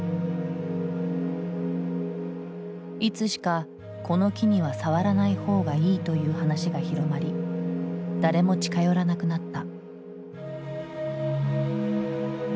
いつしかこの木には触らないほうがいいという話が広まり誰も近寄らなくなった。